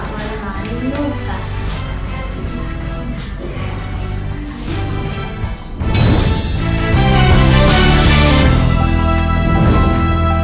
วันนี้เป็นวันนี้